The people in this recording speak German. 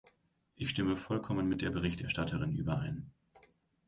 Ist stimme vollkommen mit der Berichterstatterin überein.